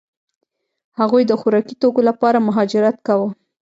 هغوی د خوراکي توکو لپاره مهاجرت کاوه.